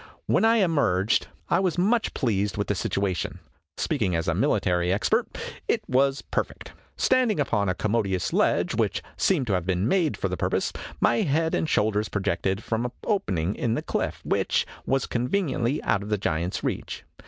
When I emerged, I was much pleased with the situation. Speaking as a military expert, it was perfect. Standing upon a commodious ledge, which seemed to have been made for the purpose, my head and shoulders projected from an opening in the cliff, which was just conveniently out of the giant's reach.